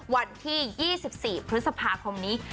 วันที่๒๔พฤษภาคมนี้